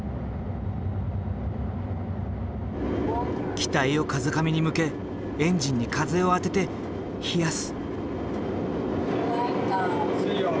機体を風上に向けエンジンに風を当てて冷やす。